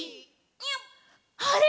「あれ？